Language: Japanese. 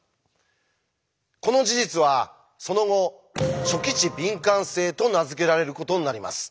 この事実はその後「初期値敏感性」と名付けられることになります。